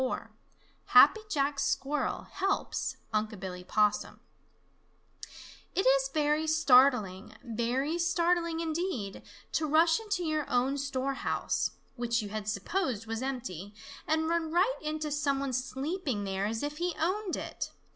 XXIV HAPPY JACK SQUIRREL HELPS UNC' BILLY POSSUM It is very startling, very startling indeed, to rush into your own storehouse, which you had supposed was empty, and run right into some one sleeping there as if he owned it.